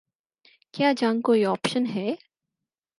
کیا جنگ کوئی آپشن ہے؟